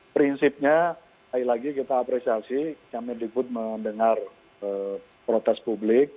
prinsipnya sekali lagi kita apresiasi kemendikbud mendengar protes publik